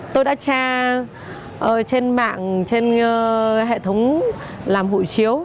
tôi đã tra trên mạng trên hệ thống làm hộ chiếu